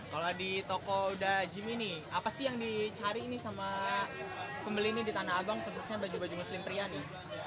kalau di toko da gym ini apa sih yang dicari ini sama pembeli ini di tanah abang khususnya baju baju muslim pria nih